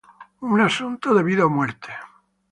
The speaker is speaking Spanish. un asunto de vida o muerte